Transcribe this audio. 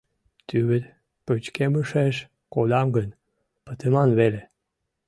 Тӱвыт пычкемышеш кодам гын, пытыман веле.